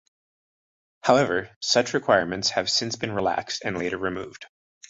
However, such requirements have since been relaxed and later removed.